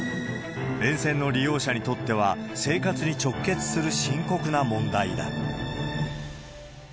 沿線の利用者にとっては、生活に直結する深刻な問題だ。